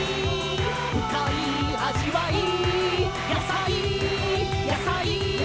「ふかいあじわい」「」「やさい」「」「やさい」「」